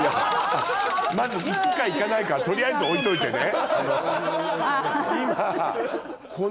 まず行くか行かないかは取りあえず置いといてね。